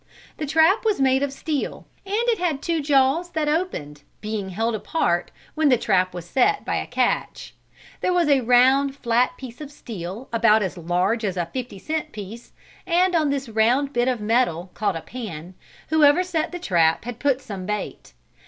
The trap was made of steel, and it had two jaws that opened, being held apart, when the trap was set, by a catch. There was a round, flat piece of steel, about as large as a fifty cent piece, and on this round bit of metal, called a "pan," whoever set the trap had put some bait.